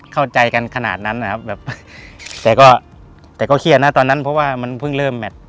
เข้าใจกันขนาดนั้นนะครับแบบแต่ก็แต่ก็เครียดนะตอนนั้นเพราะว่ามันเพิ่งเริ่มแมท